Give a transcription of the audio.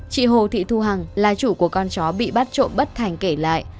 chị hồ thị thu hằng là chủ của con chó bị bắt trộm bất thành kể lại